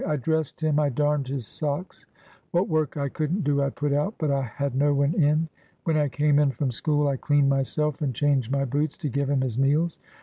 I dressed him, I darned his socks: what work I couldn't do I put out, but I had no one in. When I came in from school, I cleaned myself, and changed my boots, to give him his meals.